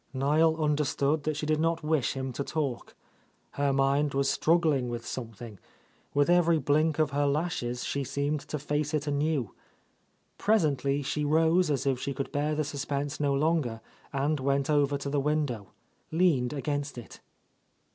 Niel understood that she did not wish him to talk. Her mind was struggling with something, with every blink of her lashes she seemed to face it anew. Presently she rose as if she could bear the suspense no longer and went over to the window, leaned against it.